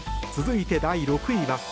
続いて、第６位は。